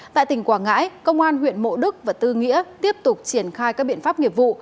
tại tỉnh quảng ngãi công an huyện mộ đức và tư nghĩa tiếp tục triển khai các biện pháp nghiệp vụ